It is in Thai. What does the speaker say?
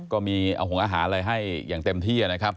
ก็เอาหงษ์อาหารเลยให้อย่างเต็มที่นะครับ